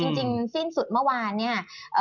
จริงสิ้นสุดเมื่อวานเนี่ย